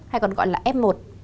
hay còn gọi là f một